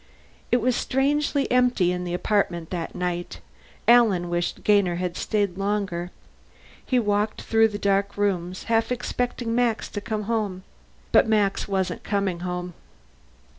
It was strangely empty in the apartment that night; Alan wished Gainer had stayed longer. He walked through the dark rooms, half expecting Max to come home. But Max wasn't coming home.